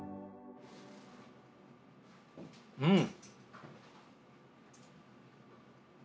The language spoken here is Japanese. うん。